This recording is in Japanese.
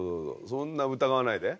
そんな疑わないで。